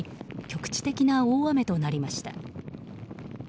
局地的な大雨となりました。